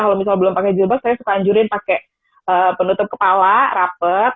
kalau misalnya belum pakai jilbab saya suka anjurin pakai penutup kepala rapet